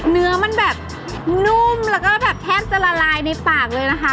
เนื้อมันแบบนุ่มแล้วก็แบบแทบจะละลายในปากเลยนะคะ